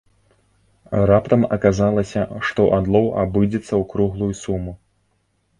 Раптам аказалася, што адлоў абыдзецца ў круглую суму!